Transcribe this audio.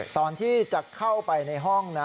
ตอนที่จะเข้าไปในห้องนะ